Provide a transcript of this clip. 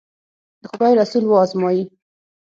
د خدای رسول و ازمایي.